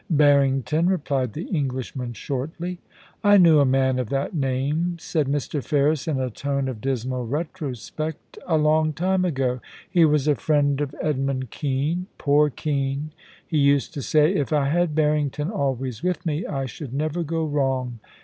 Harrington,' replied the Englishman, shortly. ' I knew a man of that name,' said Mr. Ferris in a tone of dismal retrospect, ' a long time ago — he was a friend of Edmund Kean. Poor Kean ! He used to say, " If I had Harrington always with me, I should never go wrong